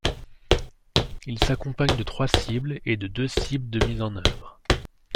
Il s'accompagne de trois cibles et de deux cibles de mise en œuvre.